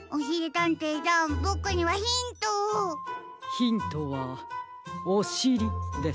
ヒントは「おしり」です。